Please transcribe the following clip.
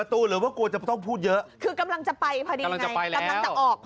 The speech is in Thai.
อันนี้ก็หยอกกันแต่ว่าไม่ต้องห่วงสุดสัปดาห์นี้ศุกร์เสาร์อาทิตย์